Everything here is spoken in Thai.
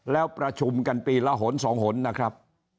แล้วประชุมกันปีละหนสองหนนะครับ